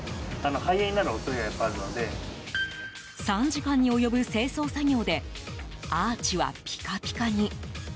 ３時間に及ぶ清掃作業でアーチはピカピカに。